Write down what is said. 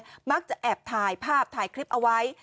จำเดิมเลยมักจะแอบถ่ายภาพถ่ายคลิปเอาไว้